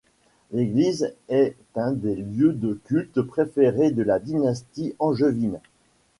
L'église est un des lieux de culte préférés de la dynastie angevine.